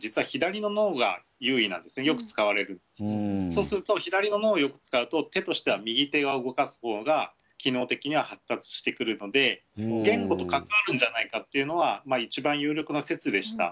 そうすると左の脳をよく使うと手としては右手側を動かす方が機能的には発達してくるので言語と関わるんじゃないかっていうのは一番有力な説でした。